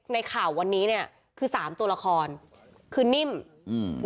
ในข่าววันนี้เนี้ยคือสามตัวละครคือนิ่มอืม